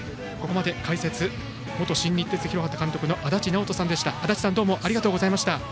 ここまで解説元新日鉄広畑監督の足達尚人さんでした。